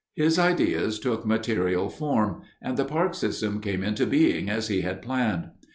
His ideas took material form, and the park system came into being as he had planned.